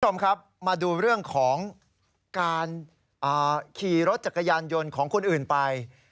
คุณผู้ชมครับมาดูเรื่องของการขี่รถจักรยานยนต์ของคนอื่นไป